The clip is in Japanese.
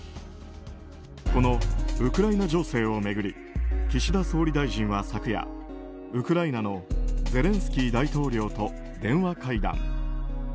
このウクライナ情勢を巡り岸田総理大臣は昨夜ウクライナのゼレンスキー大統領と電話会談。